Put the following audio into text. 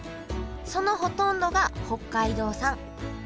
そのほとんどが北海道産。